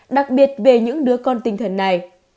đặc biệt về những đứa con tinh thần này